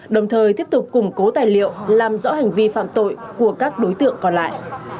đồng thời tiếp tục củng cố tài liệu làm rõ hành vi phạm tội của các đối tượng còn lại